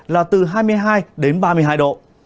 là từ hai mươi hai đến ba mươi hai độ